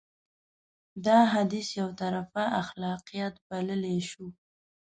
دا حديث يو طرفه اخلاقيات بللی شو.